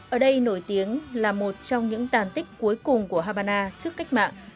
ở đây nổi tiếng là một trong những tàn tích cuối cùng của habana trước cách mạng